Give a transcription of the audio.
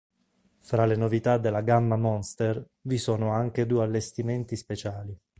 Fra le novità della gamma Monster, vi sono anche due allestimenti speciali.